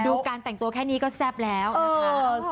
การแต่งตัวแค่นี้ก็แซ่บแล้วนะคะ